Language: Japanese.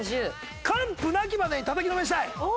完膚なきまでにたたきのめしたい？